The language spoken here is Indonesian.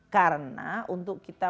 karena untuk kita